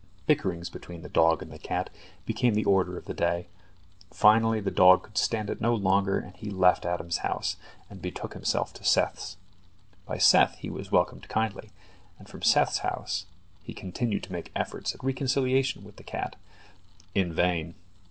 Bickerings between the dog and the cat became the order of the day. Finally the dog could stand it no longer, and he left Adam's house, and betook himself to Seth's. By Seth he was welcomed kindly, and from Seth's house, he continued to make efforts at reconciliation with the cat. In vain.